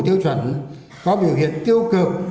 tiêu chuẩn có biểu hiện tiêu cực